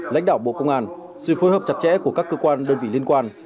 lãnh đạo bộ công an sự phối hợp chặt chẽ của các cơ quan đơn vị liên quan